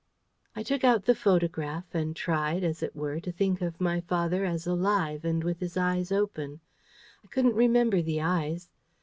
I took out the photograph and tried, as it were, to think of my father as alive and with his eyes open. I couldn't remember the eyes.